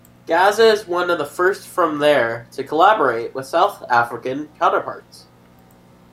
Gazza is one of the first from there to collaborate with South African counterparts.